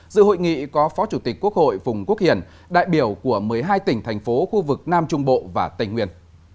dự hội nghị có phó chủ tịch quốc hội phùng quốc hiển đại biểu của một mươi hai tỉnh thành phố khu vực nam trung bộ và tây nguyên